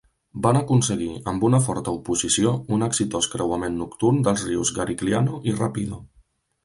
Van aconseguir, amb una forta oposició, un exitós creuament nocturn dels rius Garigliano i Rapido.